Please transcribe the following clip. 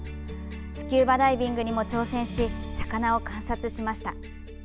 スキューバダイビングにも挑戦し魚を観察しました。